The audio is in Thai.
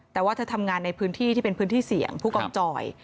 แต่ว่าเธอทำงานในพื้นที่ที่เป็นพื้นที่เสี่ยงผู้กองจอย